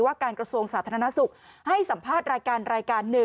ว่าการกระทรวงสาธารณสุขให้สัมภาษณ์รายการ๑